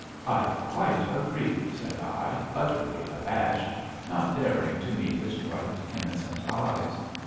"I quite agree," said I, utterly abashed, not daring to meet his bright, innocent eyes.